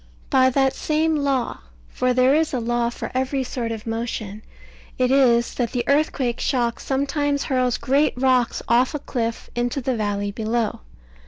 By that same law (for there is a law for every sort of motion) it is that the earthquake shock sometimes hurls great rocks off a cliff into the valley below.